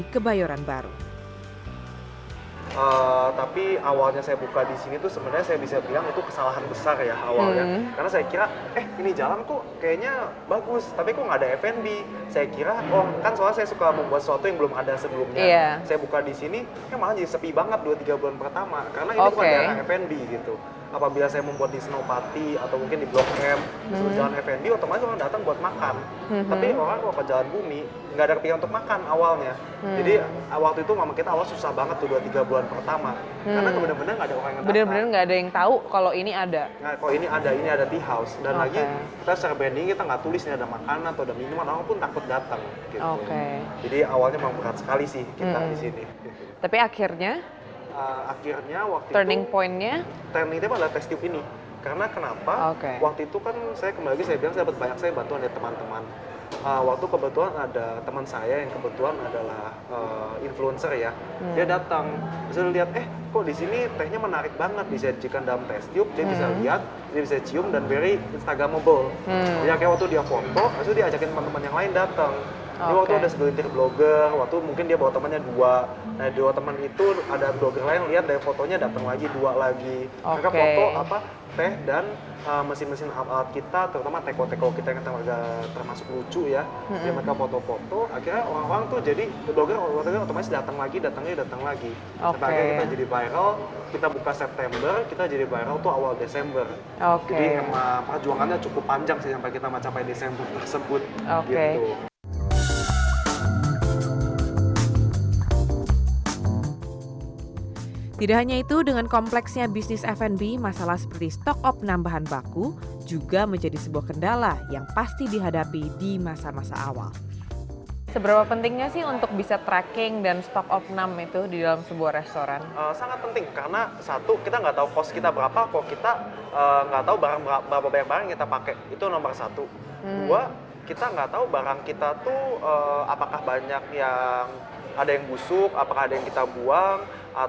karena mereka lebih ngutamain desainnya juga kan atau tempat kopinya kan